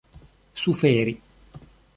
suferi